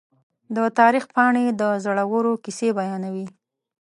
د تاریخ پاڼې د زړورو کیسې بیانوي.